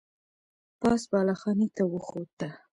پاس بالا خانې ته وخوته.